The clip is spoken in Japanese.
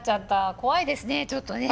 怖いですねちょっとね。